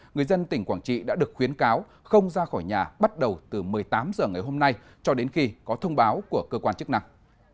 người dân tỉnh quảng trị đã được khuyến cáo không ra khỏi nhà bắt đầu từ một mươi tám h ngày hôm nay cho đến khi có thông báo của cơ quan chức năng